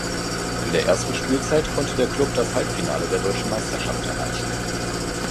In der ersten Spielzeit konnte der Klub das Halbfinale der deutschen Meisterschaft erreichen.